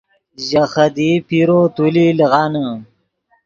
ژے خدیئی پیرو تولی لیغانے